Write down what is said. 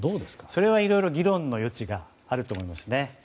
それは、いろいろ議論の余地があると思いますね。